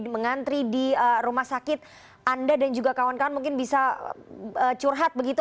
mengantri di rumah sakit anda dan juga kawan kawan mungkin bisa curhat begitu